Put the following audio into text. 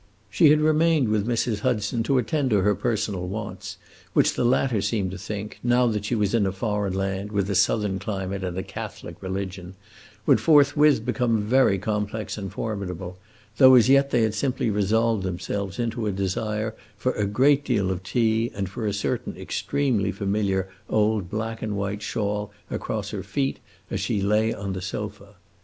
She had remained with Mrs. Hudson, to attend to her personal wants, which the latter seemed to think, now that she was in a foreign land, with a southern climate and a Catholic religion, would forthwith become very complex and formidable, though as yet they had simply resolved themselves into a desire for a great deal of tea and for a certain extremely familiar old black and white shawl across her feet, as she lay on the sofa.